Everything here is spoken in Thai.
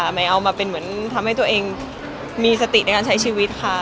ไม่เอามาเป็นเหมือนทำให้ตัวเองมีสติในการใช้ชีวิตค่ะ